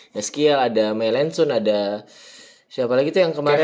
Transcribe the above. yeskiel ada meylensun ada siapa lagi tuh yang kemarin